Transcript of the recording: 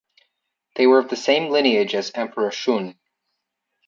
They were of the same lineage as Emperor Shun.